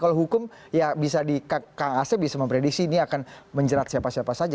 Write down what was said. kalau hukum ya bisa di kang asep bisa memprediksi ini akan menjerat siapa siapa saja